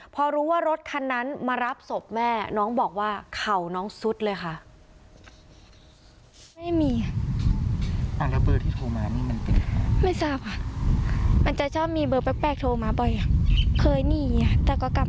พอรู้ว่ารถคันนั้นมารับศพแม่น้องบอกว่าเข่าน้องซุดเลยค่ะ